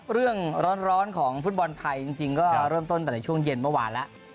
ร้อนของฟุตบอลไทยจริงก็เริ่มต้นแต่ในช่วงเย็นเมื่อวานแล้ว